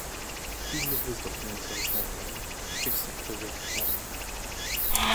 All of his documents were returned to him except a rigging plan.